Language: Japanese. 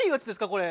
これ。